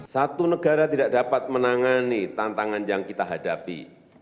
satu negara tidak dapat menangani tantangan yang kita hadapi